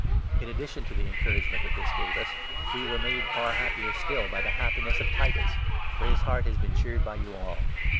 In addition to the encouragement that this gave us, we 13 were made far happier still by the happiness of Titus for his heart has been cheered by you all.